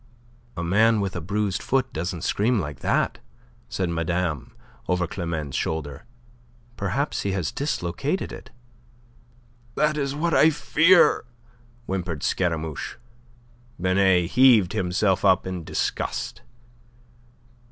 "A man with a bruised foot doesn't scream like that," said Madame over Climene's shoulder. "Perhaps he has dislocated it." "That is what I fear," whimpered Scaramouche. Binet heaved himself up in disgust.